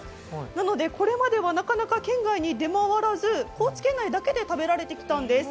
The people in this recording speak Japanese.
なので、これまではなかなか県外に出回らず高知県内だけで食べられてきたんです。